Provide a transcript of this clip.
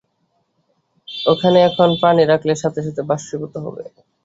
ওখানে এখন পানি রাখলে সাথে সাথে বাষ্পীভূত হবে।